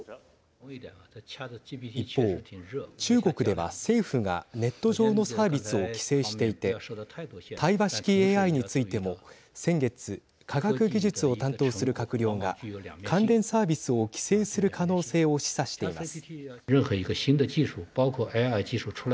一方、中国では政府がネット上のサービスを規制していて対話式ＡＩについても先月、科学技術を担当する閣僚が関連サービスを規制する可能性を示唆しています。